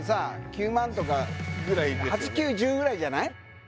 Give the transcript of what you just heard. ９万とか８９１０ぐらいじゃない？